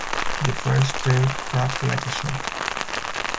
The first stair cracked like a shot.